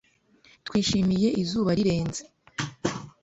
Twishimiye izuba rirenze.